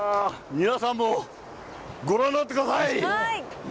皆さんもご覧になってください！